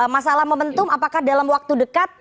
masalah momentum apakah dalam waktu dekat